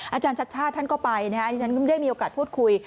อาจารย์ชาเอ็ดท่านก็ไปตอนนี้ท่านก็ได้มีโอกาสพูดคุย